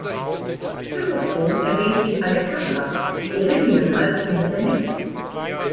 Lykophron erwähnt in "Alexandra" die Erinnyen als Kinder der Nyx.